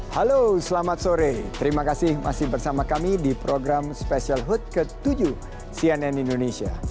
halo selamat sore terima kasih masih bersama kami di program spesial hut ke tujuh cnn indonesia